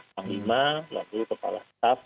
panglima lalu kepala staf